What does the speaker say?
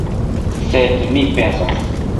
Sed mi pensas!